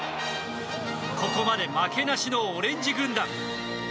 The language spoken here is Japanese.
ここまで負けなしのオレンジ軍団。